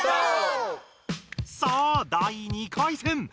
さあ第２回戦！